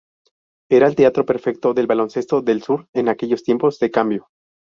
Era el retrato perfecto del baloncesto del sur en aquellos tiempos de cambio.